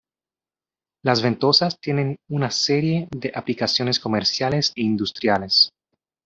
Las ventosas tienen una serie de aplicaciones comerciales e industriales.